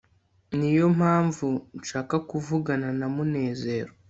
niyo mpamvu nshaka kuvugana na munezero